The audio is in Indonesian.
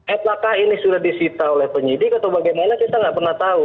apakah ini sudah disita oleh penyidik atau bagaimana kita nggak pernah tahu